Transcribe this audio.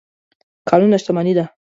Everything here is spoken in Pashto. کانونه شتمني ده.